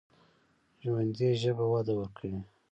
ژوندي ژبه وده ورکوي